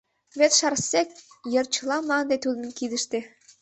Вет Шарсег йыр чыла мланде тудын кидыште.